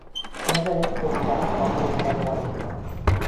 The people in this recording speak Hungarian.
Neve egykori jász lakosságára utal.